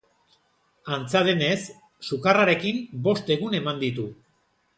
Antza denez, sukarrarekin bost egun eman ditu.